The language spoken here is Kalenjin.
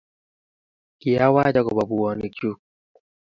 kiawach akopo puonik chuu